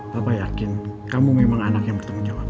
papa yakin kamu memang anak yang bertemu jawab